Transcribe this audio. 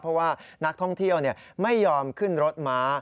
เพราะว่านักท่องเที่ยวไม่ยอมขึ้นรถม้า